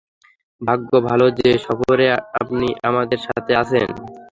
ভাগ্য ভাল যে সফরে আপনি আমাদের সাথে আছেন!